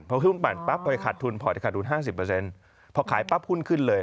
พอที่ขาดหุ้น๕๐พอขายปั๊บหุ้นขึ้นเลย